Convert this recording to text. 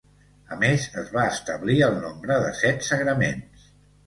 A més es va establir el nombre de set sagraments.